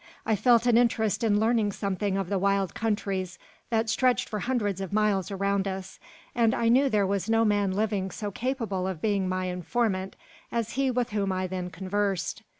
I felt an interest in learning something of the wild countries that stretched for hundreds of miles around us; and I knew there was no man living so capable of being my informant as he with whom I then conversed.